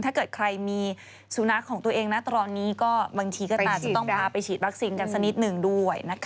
ถ้าเกิดใครมีสุนัขของตัวเองนะตอนนี้ก็บางทีก็อาจจะต้องพาไปฉีดวัคซีนกันสักนิดหนึ่งด้วยนะคะ